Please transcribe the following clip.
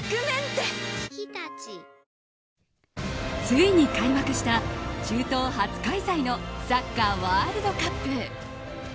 ついに開幕した、中東初開催のサッカーワールドカップ。